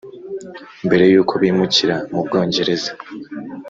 mbere y’uko bimukira mu bwongereza